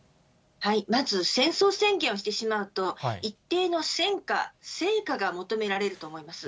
まず、戦争宣言をしてしまうと、一定の戦果、成果が求められると思います。